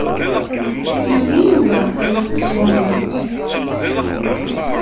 Yugi Yuba tallalt sɣur-neɣ.